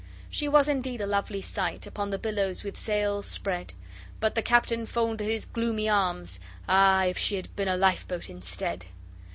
She was indeed a lovely sight Upon the billows with sails spread. But the captain folded his gloomy arms, Ah if she had been a life boat instead!